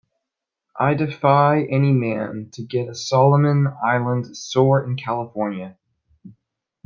I defy any man to get a Solomon Island sore in California.